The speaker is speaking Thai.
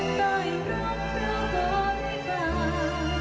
ต้องให้รู้พระบอบด้วยการ